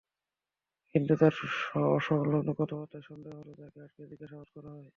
কিন্তু তাঁর অসংলগ্ন কথাবার্তায় সন্দেহ হলে তাঁকে আটকে জিজ্ঞাসাবাদ করা হয়।